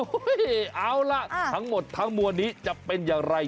เอาล่ะทั้งหมดทั้งมวลนี้จะเป็นอย่างไร